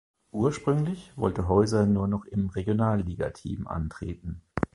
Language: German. Ursprünglich wollte Heuser nur noch im Regionalligateam antreten.